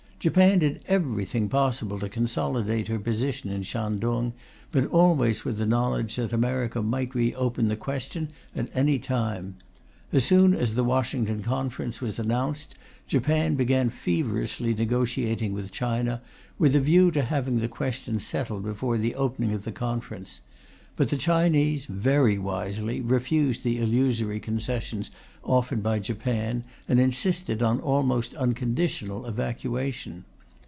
Japan did everything possible to consolidate her position in Shantung, but always with the knowledge that America might re open the question at any time. As soon as the Washington Conference was announced, Japan began feverishly negotiating with China, with a view to having the question settled before the opening of the Conference. But the Chinese, very wisely, refused the illusory concessions offered by Japan, and insisted on almost unconditional evacuation.